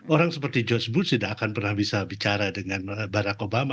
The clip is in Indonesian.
orang seperti george booth tidak akan pernah bisa bicara dengan barack obama